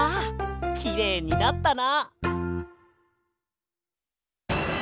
きれいになったな。